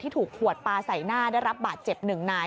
ถูกขวดปลาใส่หน้าได้รับบาดเจ็บหนึ่งนาย